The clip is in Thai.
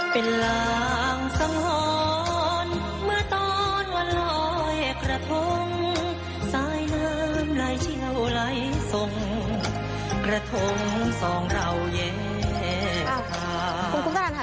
เป็นลางสังหรณ์เมื่อตอนวันลอยกระทงสายน้ำลายเชี่ยวไหลส่งกระทงสองเราแย่